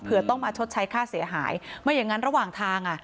เพื่อต้องมาชดใช้ค่าเสียหายไม่อย่างนั้นระหว่างทางอ่ะ